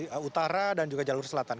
baik dari ke utara dan juga jalur selatan